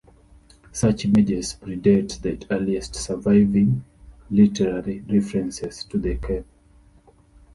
Such images predate the earliest surviving literary references to the cap.